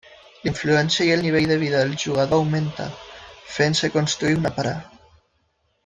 L'influencia i el nivell de vida del jugador augmenta, fent-se construir una parada.